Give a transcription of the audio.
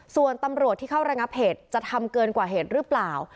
ส่วนตำรวจที่เข้าระงับเหตุจะทำเกินกว่าเหตุหรือเปล่า